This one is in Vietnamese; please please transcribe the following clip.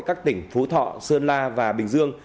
các tỉnh phú thọ sơn la và bình dương